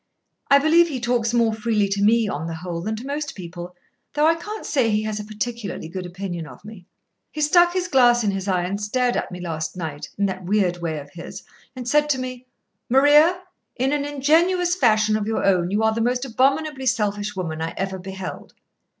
I believe he talks more freely to me, on the whole, than to most people, though I can't say he has a particularly good opinion of me. He stuck his glass in his eye and stared at me last night, in that weird way of his, and said to me, 'Maria, in an ingenuous fashion of your own, you are the most abominably selfish woman I ever beheld.'